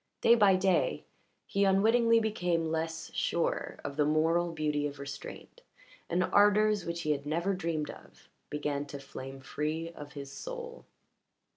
Day by day he unwittingly became less sure of the moral beauty of restraint, and ardours which he had never dreamed of began to flame free of his soul.